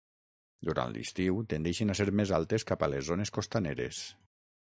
Durant l'estiu tendeixen a ser més altes cap a les zones costaneres.